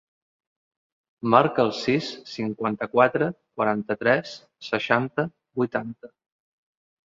Marca el sis, cinquanta-quatre, quaranta-tres, seixanta, vuitanta.